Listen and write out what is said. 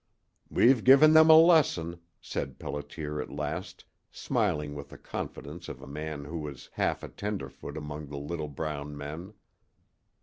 "We've given them a lesson," said Pelliter, at last, smiling with the confidence of a man who was half a tenderfoot among the little brown men.